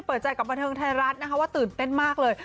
เปิดใจกับบันเทิงไทยรัฐนะคะว่าตื่นเต้นมากเลย